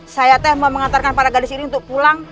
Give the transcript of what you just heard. saya teh mengantarkan para gadis ini untuk pulang